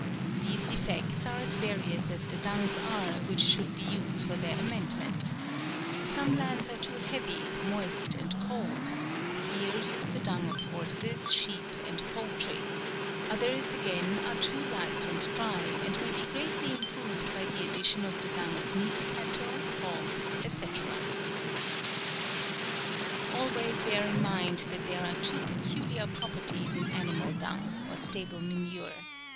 These defects are as various as the dungs are which should be used for their amendment. Some lands are too heavy, moist and cold, here use the dung of horses, sheep and poultry ; others again are too light and dry, and may be great ly improved by the addition of the dung of neat cattle, hogs, &c. Always bear in mind that there are too peculiar properties in animal dung, or stable manure.